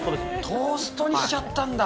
トーストにしちゃったんだ。